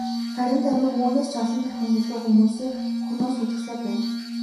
Харин тамхи түүнээс ч олон дахин илүү хүмүүсийг хөнөөн сүйтгэсээр байна.